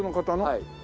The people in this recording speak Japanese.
はい。